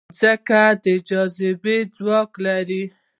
مځکه د جاذبې ځواک لري.